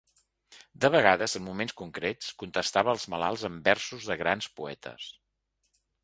De vegades, en moments concrets, contestava als malalts amb versos de grans poetes.